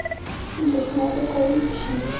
برښنا به تولید شي؟